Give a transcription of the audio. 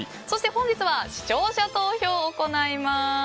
そして本日は視聴者投票を行います。